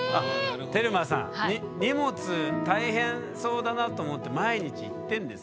テルマさん荷物大変そうだなと思って毎日行ってんですよ。